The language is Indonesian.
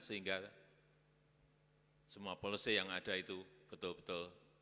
sehingga semua policy yang ada itu betul betul